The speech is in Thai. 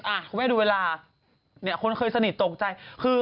อะคุณแม่ดูเวลาคุณเคยสนิทตกใจ